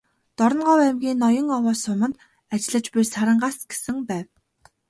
"Дорноговь аймгийн Ноён-Овоо суманд ажиллаж буй оюутан Сарангаа"с гэсэн байв.